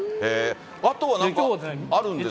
あとはなんかあるんですか？